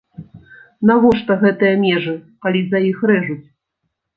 Навошта гэтыя межы, калі за іх рэжуць?